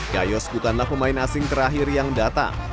gayos bukanlah pemain asing terakhir yang datang